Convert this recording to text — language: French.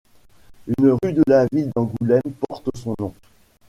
Une rue de la ville d'Angoulême porte son nom.